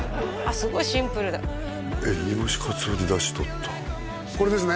すごいシンプルだ煮干しカツオで出汁とるとこれですね